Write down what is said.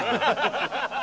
ハハハハ！